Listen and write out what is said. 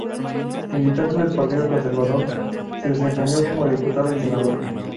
Militante del Partido Conservador, se desempeñó como diputado y senador.